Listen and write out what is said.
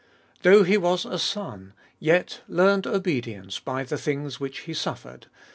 V.— 8. Though he was a Son, yet learned obedience by the things which he suffered; 9.